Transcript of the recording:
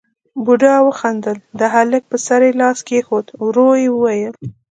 بوډا وخندل، د هلک پر سر يې لاس کېښود، ورو يې وويل: